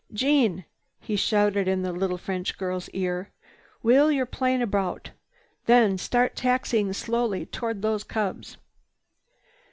"Jeanne," he shouted in the little French girl's ear, "wheel your plane about, then start taxiing slowly toward those cubs."